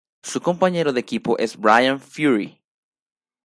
Su compañero de equipo es Bryan Fury.